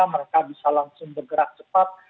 mereka bisa langsung bergerak cepat